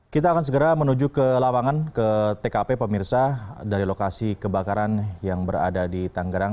kita akan segera menuju ke lawangan ke tkp pemirsa dari lokasi kebakaran yang berada di tanggerang